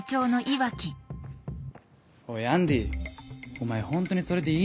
おいアンディお前ホントにそれでいいのかよ？